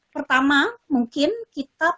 pertama mungkin kita